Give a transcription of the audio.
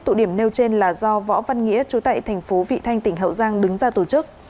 tụ điểm nêu trên là do võ văn nghĩa chú tại thành phố vị thanh tỉnh hậu giang đứng ra tổ chức